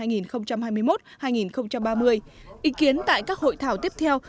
ý kiến tại các hội thảo tiếp theo sẽ tập trung vào các hội thảo tiếp theo